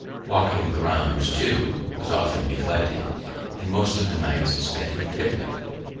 Walking the rounds, too, was often neglected, and most of the nights spent in tippling.